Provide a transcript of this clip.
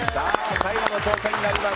最後の挑戦になります